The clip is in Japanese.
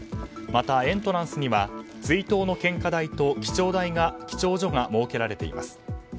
また、エントランスには追悼の献花台と記帳所が設けられています。